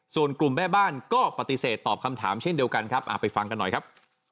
ส่วนกลุ่มแม่บ้านก็ปฏิเสธตอบคำถามเช่นเดียวกันครับไปฟังกันหน่อยครับ